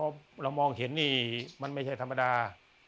พอเรามองเห็นนี่มันไม่ใช่ธรรมดา